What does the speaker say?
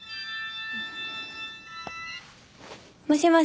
もしもし。